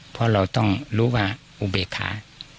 เพราะเราต้องรู้ว่าอุเบคา